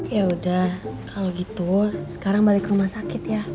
yaudah kalo gitu sekarang balik rumah sakit ya